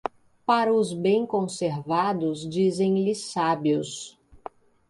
Para os bem conservados dizem-lhe sábios.